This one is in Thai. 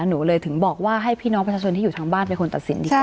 หนูเลยถึงบอกว่าให้พี่น้องประชาชนที่อยู่ทางบ้านเป็นคนตัดสินดีกว่า